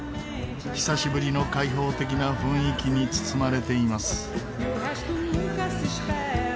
久しぶりの開放的な雰囲気に包まれています。